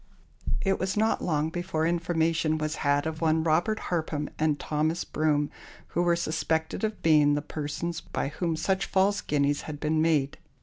It was not long before information was had of one Robert Harpham and Thomas Broom, who were suspected of being the persons by whom such false guineas had been made.